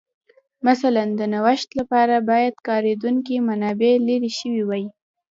مثلاً د نوښت لپاره باید کارېدونکې منابع لرې شوې وای